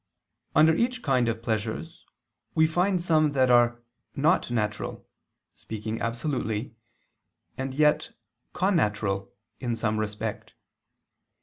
Under each kind of pleasures, we find some that are not natural speaking absolutely, and yet connatural in some respect.